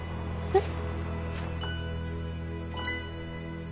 えっ？